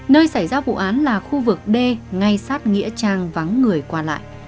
nơi xảy ra vụ án là khu vực d ngay sát nghĩa trang vắng người qua lại